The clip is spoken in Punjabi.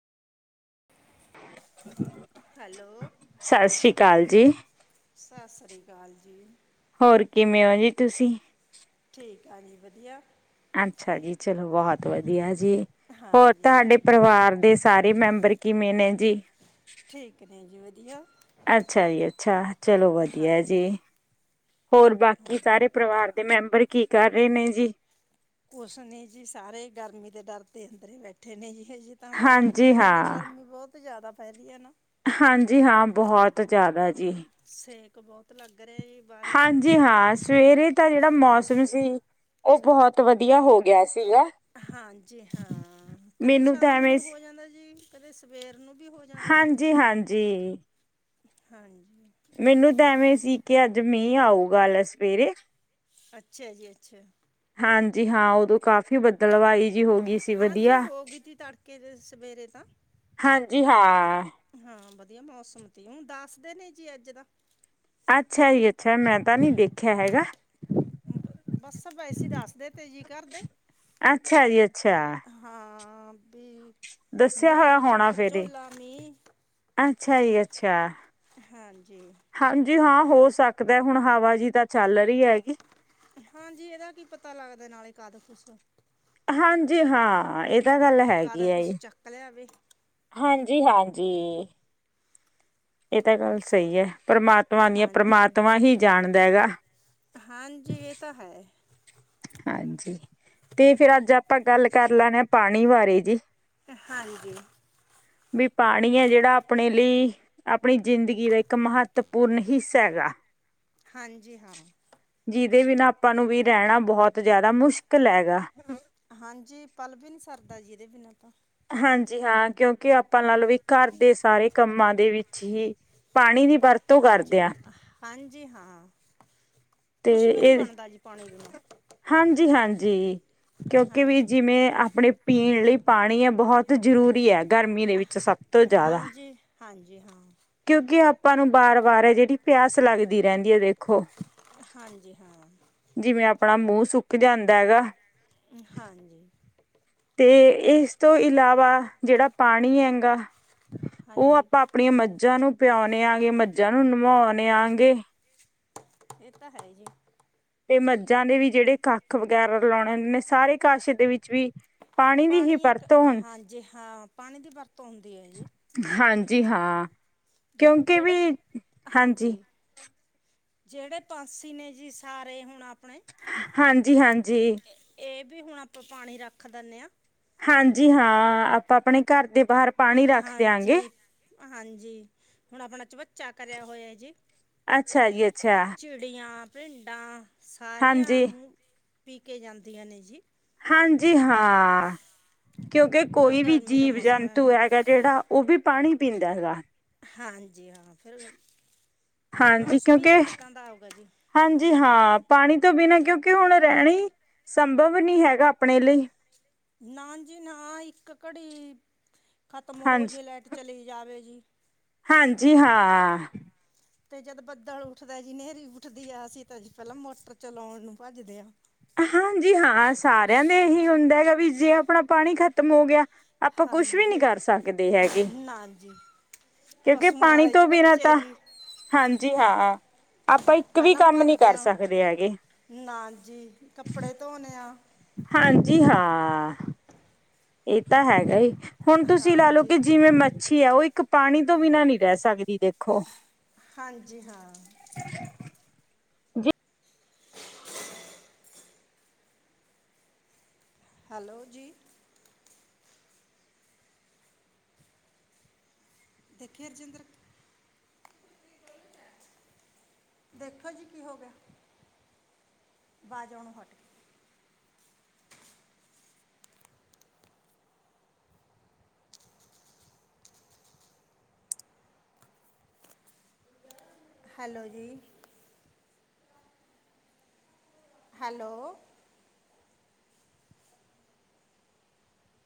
ਹੈਲੋ ਸਤਿ ਸ੍ਰੀ ਅਕਾਲ ਜੀ। ਸਤਿ ਸ਼੍ਰੀ ਅਕਾਲ ਜੀ। ਹੋਰ ਕਿਵੇਂ ਹੋ ਜੀ ਤੁਸੀਂ ਠੀਕ ਆ ਜੀ ਵਧੀਆ। ਅੱਛਾ ਜੀ ਚਲੋ ਬਹੁਤ ਵਧੀਆ ਜੀ। ਜੀ ਹੋਰ ਹਾਂਜੀ ਤੁਹਾਡੇ ਪਰਿਵਾਰ ਦੇ ਸਾਰੇ ਮੈਂਬਰ ਕਿਵੇਂ ਨੇ। ਜੀ? ਠੀਕ ਨੇ ਜੀ ਵਧੀਆ। ਵਧੀਆ। ਅੱਛਾ ਜੀ ਅੱਛਾ ਚਲੋ ਵਧੀਆ ਜੀ। ਹਾਂਜੀ ਹੋਰ ਹਾਂ ਬਾਕੀ ਸਾਰੇ ਪਰਿਵਾਰ ਦੇ ਮੈਂਬਰ ਕੀ ਕਰ ਰਹੇ ਨੇ ਜੀ ਕੁਛ ਨੀ ਜੀ ਸਾਰੇ ਗਰਮੀ ਦੇ ਡਰਦੇ ਅੰਦਰ ਹੀ ਬੈਠੇ ਨੇ ਜੀ। ਹਜੇ ਤਾਂ ਬਾਹਰੇ ਹਾਂਜੀ ਨਿਕਲ ਨਹੀਂ ਹਾਂ, ਗਰਮੀ ਬਹੁਤ। ਧੁੱਪ ਜ਼ਿਆਦਾ ਫੈਲੀ ਹੈ ਨਾ। ਹਾਂਜੀ ਹਾਂ ਬਹੁਤ ਜ਼ਿਆਦਾ ਜੀ। ਤੇ ਬਹੁਤ ਲੱਗ। ਰਿਹਾ ਜੀ ਬਾਹਰੇ ਹਾਂਜੀ ਹਾਂ ਸਵੇਰੇ ਦਾ ਜਿਹੜਾ ਮੌਸਮ ਸੀ ਉਹ ਬਹੁਤ ਵਧੀਆ ਹੋ ਗਿਆ ਸੀ। ਹਾਂਜੀ ਹਾਂ ਕਦੇ ਮੈਨੂੰ ਤਾਂ ਸ਼ਾਮ ਐਵੇਂ ਨੂੰ ਹੋ ਜਾਂਦਾ ਜੀ ਕਦੇ ਸਵੇਰ ਨੂੰ ਵੀ ਹੋ ਜਾਂਦਾ ਜੀ ਹਾਂਜੀ-ਹਾਂਜੀ। ਹਾਂਜੀ। ਮੈਨੂੰ ਤਾਂ ਐਵੇਂ ਸੀ ਕਿ ਅੱਜ ਮੀਂਹ ਆਉਗਾ ਲੈ ਸਵੇਰੇ ਅੱਛਾ ਜੀ ਅੱਛਾ। ਹਾਂਜੀ ਹਾਂ ਉਦੋਂ ਕਾਫ਼ੀ ਬੱਦਲਵਾਈ। ਜੀ ਹੋ ਗਈ ਸੀ ਹਾਂਜੀ ਵਧੀਆ ਹੋ ਗਈ ਸੀ ਤੜਕੇ ਦੇ ਸਵੇਰੇ ਤਾਂ ਹਾਂਜੀ ਹਾਂ ਹਾਂ। ਵਧੀਆ ਮੌਸਮ ਸੀ ਹੁਣ ਦੱਸ ਦੇ ਨੇ ਜੀ ਅੱਜ ਦਾ। ਅੱਛਾ ਜੀ ਅੱਛਾ ਮੈਂ ਤਾਂ ਨਹੀਂ ਦੇਖਿਆ ਹੈਗਾ‌। ਬੱਸ ਵੈਸੇ ਦੱਸਦੇ ਤੇ ਜੀ ਘਰਦੇ ਅੱਛਾ ਜੀ ਅੱਛਾ ਹਾਂ। ਹਾਂ ਵੀ। ਦੱਸਿਆ ਹੋਇਆ ਹਨੇਰੀ ਹੋਣਾ ਝੱਖੜ ਫਿਰ ਇਹ ਝੋਲਾ ਮੀਂਹ ਅੱਛਾ ਜੀ ਅੱਛਾ ਹਾਂਜੀ ਹਾਂਜੀ ਹਾਂ। ਹੋ ਸਕਦਾ ਹੁਣ ਹਵਾ ਜੀ ਤਾਂ ਚੱਲ ਰਹੀ ਹੈਗੀ ਹਾਂਜੀ ਇਹਦਾ ਕੀ ਪਤਾ ਲੱਗਦਾ ਨਾਲੇ ਕਾਹਦਾ [inaudible] ਹਾਂਜੀ ਹਾਂ ਏ ਗੱਲ ਕਦ ਹੈਗੀ ਆ ਕੁਛ ਜੀ ਚੱਕ ਲਿਆਵੇ ਹਾਂਜੀ ਜੀ ਹਾਂਜੀ ਇਹ ਤਾਂ ਗੱਲ ਸਹੀ ਹੈ ਪਰਮਾਤਮਾ ਦੀਆਂ ਹਾਂਜੀ ਪਰਮਾਤਮਾ ਹੀ ਜਾਣਦਾ ਹੈਗਾ ਹਾਂਜੀ ਇਹ ਤਾਂ ਹੈ ਹਾਂਜੀ ਤੇ ਫਿਰ ਅੱਜ ਆਪਾਂ ਗੱਲ ਕਰ ਲੈਣੇ ਹ ਪਾਣੀ ਬਾਰੇ ਜੀ ਹਾਂਜੀ ਵੀ ਪਾਣੀ ਹੈ ਜਿਹੜਾ ਆਪਣੇ ਲਈ ਆਪਣੀ ਜ਼ਿੰਦਗੀ ਦਾ ਇੱਕ ਮਹੱਤਵਪੂਰਨ ਹਿੱਸਾ ਹੈਗਾ ਹਾਂਜੀ ਹਾਂ ਕਿਤੇ ਵੀ ਨਾ ਆਪਾਂ ਨੂੰ ਵੀ ਰਹਿਣਾ ਬਹੁਤ ਜ਼ਿਆਦਾ ਮੁਸ਼ਕਿਲ ਹੈਗਾ ਹਾਂਜੀ ਪਲ ਵੀ ਨੀ ਸਰਦਾ ਜਿਹਦੇ ਬਿਨਾਂ ਤਾਂ ਹਾਂਜੀ ਹਾਂ ਕਿਉਂਕਿ ਆਪਾਂ ਨਾਲ ਵੀ ਘਰ ਦੇ ਸਾਰੇ ਕੰਮਾਂ ਦੇ ਵਿੱਚ ਹੀ ਪਾਣੀ ਦੀ ਪਾ ਵਰਤੋਂ ਕਰ ਹਾਂਜੀ ਦੇਆਂ ਹਾਂਜੀ ਹਾਂ ਤੇ ਕੁਛ ਵੀ ਨਹੀਂ ਇਹ ਬਣਦਾ ਜੀ ਪਾਣੀ ਬਿਨਾਂ ਹਾਂਜੀ-ਹਾਂਜੀ ਕਿਉਂਕਿ ਵੀ ਹਾਂਜੀ ਜਿਵੇਂ ਆਪਣੇ ਪੀਣ ਲਈ ਪਾਣੀ ਹੈ ਬਹੁਤ ਜ਼ਰੂਰੀ ਹੈ ਗਰਮੀ ਦੇ ਵਿੱਚ ਸਭ ਤੋਂ ਜ਼ਿਆਦਾ ਹਾਂਜੀ ਹਾਂਜੀ ਹਾਂ ਕਿਉਂਕਿ ਆਪਾਂ ਨੂੰ ਵਾਰ ਵਾਰ ਹੈ ਜਿਹ ਪਿਆਸ ਲੱਗਦੀ ਰਹਿੰਦੀ ਹੈ ਦੇਖੋ ਹਾਂਜੀ ਹਾਂ ਜਿਵੇਂ ਆਪਣਾ ਮੂੰਹ ਸੁੱਕ ਜਾਂਦਾ ਹੈਗਾ ਹਾਂਜੀ ਤੇ ਇਸ ਤੋਂ ਇਲਾਵਾ ਜਿਹੜਾ ਪਾਣੀ ਹੈਗਾ ਉਹ ਹਾਂਜੀ ਆਪਾਂ ਆਪਣੀਆਂ ਮੱਝਾਂ ਨੂੰ ਪਿਆਣੇ ਆਂਗੇ ਮੱਝਾਂ ਨੂੰ ਨਵਾਉਦੇ ਆਂ ਗੇ ਇਹ ਤਾਂ ਹੈ ਜੀ ਤੇ ਮੱਝਾਂ ਦੇ ਵੀ ਜਿਹੜੇ ਕੱਖ ਵਗੈਰਾ ਲਾਉਣੇ ਹੁੰਦੇ ਨੇ ਸਾਰੇ ਕਾਸ਼ ਦੇ ਵਿੱਚ ਵੀ ਦੀ ਹੀ ਪਾਣੀ ਇੱਕ ਵਰਤੋਂ ਹੁੰ ਹਾਂਜੀ ਹਾਂ ਪਾਣੀ ਦੀ ਵਰਤੋਂ ਹੁੰਦੀ ਹੈ ਜੀ ਜੀ ਹਾਂ ਜ ਕਿਉਂਕਿ ਵੀ ਜਿਹੜੇ ਹਾਂਜੀ ਜਿਹੜੇ ਪੰਕਸੀ ਨੇ ਜੀ ਸਾਰੇ ਹੁਣ ਆਪਣੇ ਹਾਂਜੀ ਹਾਂਜੀ ਇਹ ਵੀ ਹੁਣ ਆਪਾਂ ਪਾਣੀ ਰੱਖ ਦਿੰਦੇ ਹਾਂ ਹਾਂਜੀ ਹਾਂ ਆਪਾਂ ਆਪਣੇ ਘਰ ਦੇ ਬਾਹਰ ਪਾਣੀ ਰੱਖ ਦਿਆਂਗੇ ਹਾਂਜੀ ਹਾਂਜੀ ਹੁਣ ਆਪਣਾ ਚਵਚਾ ਕਰਿਆ ਹੋਇਆ ਜੀ ਅੱਛਾ ਜੀ ਅੱਛਾ ਚਿੜੀਆਂ ਪਿੰਢਾ ਸਾਰਿਆਂ ਹਾਂਜੀ ਮ ਪੀ ਕੇ ਜਾਂਦੀਆਂ ਨੇ ਜੀ। ਹਾਂਜੀ, ਹਾਂ ਕਿਉਂਕਿ ਕਿਉਂ ਕੋਈ ਵੀ ਗਰਮੀ ਦਾ ਜੀਵ ਮੌਸਮ ਹੈ ਜੰਤੂ ਹੈਗਾ ਜਿਹੜਾ ਉਹ ਵੀ ਪਾਣੀ ਪੀਂਦਾ ਹੈਗਾ। ਹਾਂਜ। ਜੀ ਹਾਂ, ਫਿਰ ਹਾਂਜੀ ਮੌਸਮ ਹੀ ਏਦਾਂ ਦਾ ਆਊਗਾ ਜੀ। ਜੀ ਹਾਂ, ਪਾਣੀ ਤੋਂ ਬਿਨਾਂ ਕਿਉਂਕਿ ਹੁਣ ਰਹਿਣਾ ਹੀ ਸੰਭਵ ਨਹੀਂ ਹੈਗਾ ਅਪਣੇ ਲਈ ਨਾ ਜੀ ਨਾ, ਇੱਕ ਘੜੀ ਖ਼ਤਮ ਹੋ ਹਾਂਜੀ ਜੇ, ਲਾਈਟ ਚਲੀ ਜਾਵੇ ਜੀ ਹਾਂਜੀ, ਹਾਂ। ਤੇ ਜਦ ਬੱਦਲ ਉੱਠਦਾ ਜੀ, ਹਨੇਰੀ ਉੱਠਦੀ ਆ, ਅਸੀਂ ਤਾਂ ਪਹਿਲਾਂ ਮੋਟਰ ਚਲਾਉਣ ਨੂੰ ਭੱਜ ਜਦੇ ਆ ਹਾਂਜੀ, ਹਾਂ, ਸਾਰਿਆਂ ਦੇ ਇਹੀ ਹੁੰਦਾ ਹੈਗਾ ਵੀ ਜੇ ਆਪਣਾ ਪਾਣੀ ਖਤਮ ਹੋ ਗਿਆ ਆਪਾਂ ਕੁਛ ਹਾਂਜੀ ਵੀ ਨੀ ਫਿਰ ਕਰ ਸਕਦੇ ਹੈਗੇ ਨਾ ਜੀ ਕਿਉਂਕਿ ਪਸ਼ੂਆਂ ਪਾਣੀ ਵਾਲੇ ਚ ਤੋਂ ਬਿਨਾਂ ਬੱਚੇ ਤਾਂ, ਜੀ ਹਾਂਜੀ, ਹਾਂ, ਆਪਾਂ ਇੱਕ ਵੀ ਪਹਿਲਾਂ ਕੰਮ ਨੀ ਭਰਦੇ ਕਰ ਆ ਸਕਦੇ ਹੈਗੇ। ਨਾ ਜੀ ਕੱਪੜੇ ਧੋਨੇ ਆ। ਹਾਂਜੀ, ਹਾਂ। ਇਹ ਤਾਂ ਹੈਗਾ ਈ। ਹੁਣ ਤੁਸੀਂ ਲਾ ਲਓ ਹਾਂਜੀ ਕਿ ਜਿਵੇਂ ਮ ਛੀ ਹੈ, ਉਹ ਇੱਕ ਪਾਣੀ ਤੋਂ ਬਿਨਾਂ ਨਹੀਂ ਰਹਿ ਸਕਦੀ, ਦੇਖੋ। ਹਾਂਜੀ, ਹਾਂ। ਹੈਲੋ ਜੀ। ਦੇਖਿਆ ਰਜਿੰਦਰ ਦੇਖੋ ਜੀ ਕੀ ਹੋ ਗਿਆ, ਵਾਜ ਆਉਣੋਂ ਹੱਟ ਗੀ। ਹੈਲੋ ਜੀ। ਹੈਲੋ।